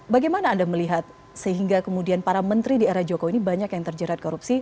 bagaimana anda melihat sehingga kemudian para menteri di era joko ini banyak yang terjerat korupsi